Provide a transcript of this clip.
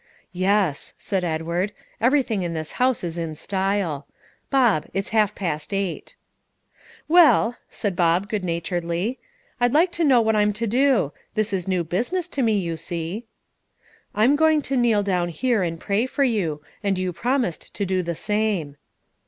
"Yes," said Edward; "everything in this house is in style. Bob, it's half past eight." "Well," Bob said good naturedly, "I'd like to know what I'm to do; this is new business to me, you see." "I'm going to kneel down here and pray for you, and you promised to do the same."